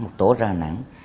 một tổ ra hà nẵng